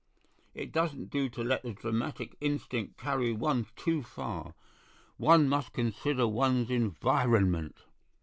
It doesn't do to let the dramatic instinct carry one too far; one must consider one's environment.